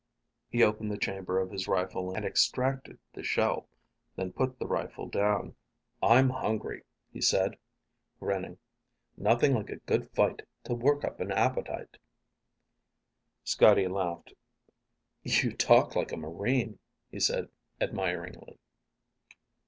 He opened the chamber of his rifle and extracted the shell, then put the rifle down. "I'm hungry," he said, grinning. "Nothing like a good fight to work up an appetite." Scotty laughed. "You talk like a Marine," he said admiringly.